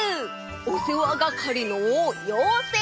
おせわがかりのようせい！